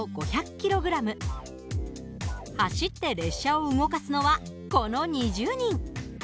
走って列車を動かすのはこの２０人。